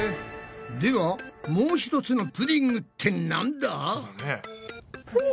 ではもうひとつの「プディング」ってなんだ？